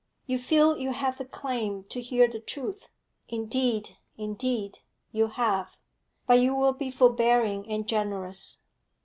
You feel you have a claim to hear the truth; indeed, indeed, you have; but you will be forbearing and generous.